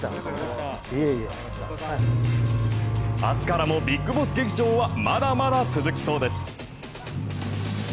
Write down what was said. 明日からもビッグボス劇場はまだまだ続きそうです。